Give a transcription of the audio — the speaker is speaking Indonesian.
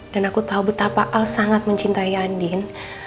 dan aku tahu betapa al sangat mencintai andien